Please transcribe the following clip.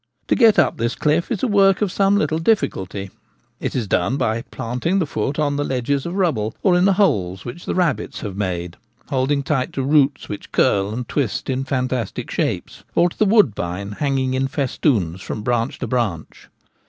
To get up this cliff is a work of some little diffi culty : it is done by planting the foot on the ledges of rubble, or in the holes which the rabbits have made, holding tight to roots which curl and twist in Nest building Time. 69 fantastic shapes, or to the woodbine hanging in festoons from branch to branch.